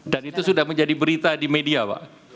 dan itu sudah menjadi berita di media pak